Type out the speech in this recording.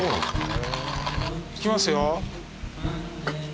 へえいきますよ